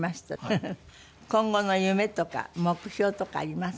今後の夢とか目標とかあります？